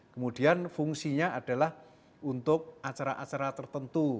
kemudian fungsinya adalah untuk acara acara tertentu